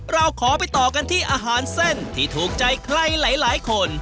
เราขอไปต่อกันที่อาหารเส้นที่ถูกใจใครหลายคน